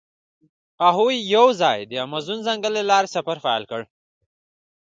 هغوی یوځای د موزون ځنګل له لارې سفر پیل کړ.